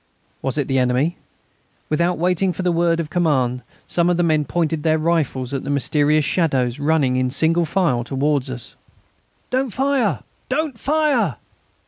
Was it the enemy? Without waiting for the word of command some of the men pointed their rifles at the mysterious shadows running in single file towards us. "Don't fire! Don't fire!"